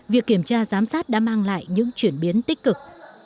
việc kiểm tra giám sát đã mang lại những chuyển biến tích cực